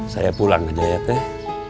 saya pulang aja ya teh